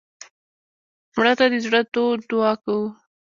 مړه ته د زړه تود دعا کوو